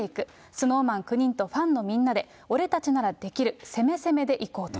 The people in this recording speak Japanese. ＳｎｏｗＭａｎ９人とファンのみんなで、俺たちならできる、攻め攻めで行こうと。